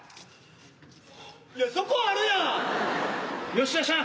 いやそこあるやん！